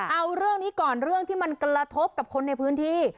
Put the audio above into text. เอาเรื่องนี้ก่อนเรื่องที่มันกระทบกับคนในพื้นที่